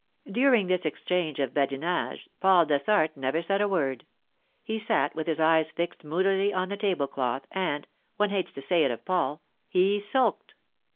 During this exchange of badinage Paul Dessart said never a word. He sat with his eyes fixed moodily on the table cloth, and—one hates to say it of Paul—he sulked.